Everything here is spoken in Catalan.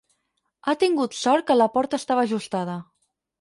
Ha tingut sort que la porta estava ajustada.